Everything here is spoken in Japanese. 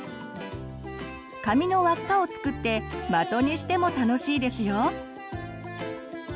紙の輪っかを作って的にしても楽しいですよ。